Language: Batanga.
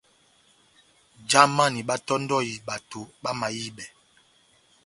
Jamani báhátɔ́ndɔhi bato bamahibɛ.